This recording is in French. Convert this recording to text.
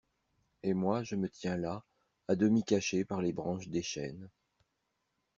Et moi, je me tiens là, à demi caché par les branches des chênes.